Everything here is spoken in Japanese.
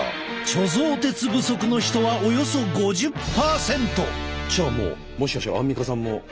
貯蔵鉄不足の人はおよそ５０％！じゃあもしかしたらアンミカさんも。